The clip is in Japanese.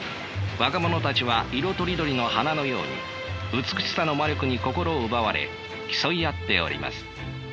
若者たちは色とりどりの花のように美しさの魔力に心奪われ競い合っております。